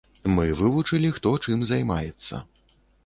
Мы вывучылі, хто чым займаецца.